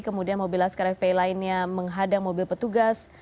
kemudian mobil laskar fpi lainnya menghadang mobil petugas